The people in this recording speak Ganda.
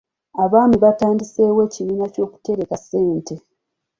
Abalimi batandiseewo ekibiina ky'okutereka ssente.